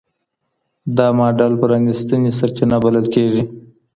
دا ماډل پرانیستې سرچینه بلل کېږي.